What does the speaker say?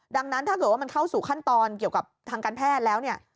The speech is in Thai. ดังนั้นถ้าเกิดว่ามันเข้าสู่ขั้นตอนเกี่ยวกับทางการแพทย์แล้วเนี่ย